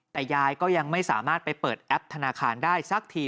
แต่ยายก็ยังไม่สามารถไปเปิดแอปธนาคารได้สักที